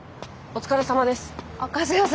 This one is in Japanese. お疲れさまです。